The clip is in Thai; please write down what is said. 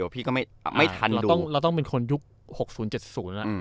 พี่ก็ไม่ทันดูเราต้องเราต้องเป็นคนยุคหกศูนย์เจ็ดศูนย์อ่ะอืม